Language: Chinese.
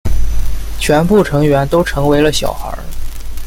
全部成员都成为了小孩。